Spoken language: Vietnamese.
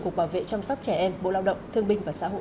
cục bảo vệ chăm sóc trẻ em bộ lao động thương binh và xã hội